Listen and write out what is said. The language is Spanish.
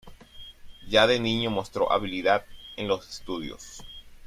Ya de niño mostró habilidad en los estudios.